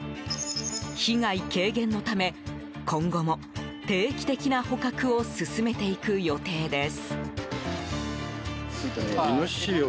被害軽減のため今後も、定期的な捕獲を進めていく予定です。